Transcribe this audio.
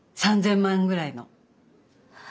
３，０００万ぐらいの。